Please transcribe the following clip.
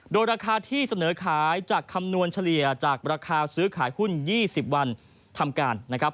โดยราคาที่เสนอขายจากคำนวณเฉลี่ยจากราคาซื้อขายหุ้น๒๐วันทำการนะครับ